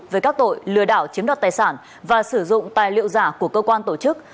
về các tội lừa đảo chiếm đoạt tài sản và sử dụng tài liệu giả của cơ quan tổ chức